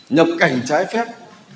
nhập cảnh trái phép